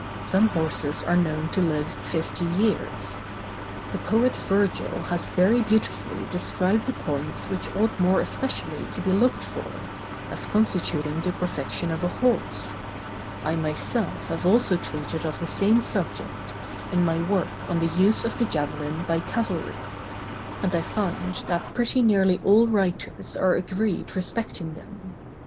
Some horses are known to live fifty years. The poet Virgil has very beautifully described the points which ought more especially to be looked for, as constituting the perfection of a horse; I myself have also treated of the same subject, in my work on the Use of the Javelin by Cavalry, and I find that pretty nearly all writers are agreed respecting them.